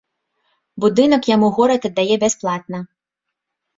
Будынак яму горад аддае бясплатна.